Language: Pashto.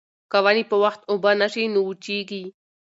که ونې په وخت اوبه نه شي نو وچېږي.